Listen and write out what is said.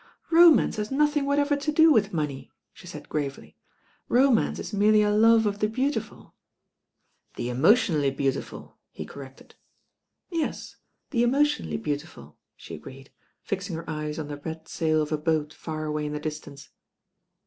"Romance has nothing whatever to do with money," she said gravely. "Romance is merely a love of the beautiful." "The emotionally beautiful," he corrected. "Yes, the emotionally beautiful," she agreed, fixing her eyes on the red sail of a boat far away in the distance.